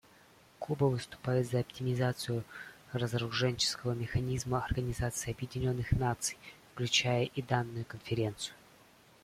Куба выступает за оптимизацию разоруженческого механизма Организации Объединенных Наций, включая и данную Конференцию.